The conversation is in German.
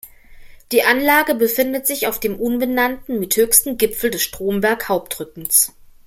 Die Anlage befindet sich auf dem unbenannten, mit höchsten Gipfel des Stromberg-Hauptrückens.